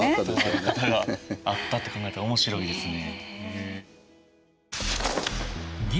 それがあったって考えたら面白いですね。